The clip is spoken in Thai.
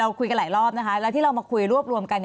คุยกันหลายรอบนะคะแล้วที่เรามาคุยรวบรวมกัน